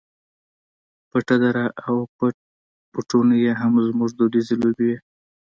پټه دره او پټ پټونی یې هم زموږ دودیزې لوبې وې.